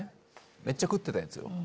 めっちゃ食ってたやつよ。